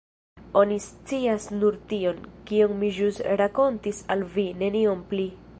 Oni scias nur tion, kion mi ĵus rakontis al vi, neniom pli.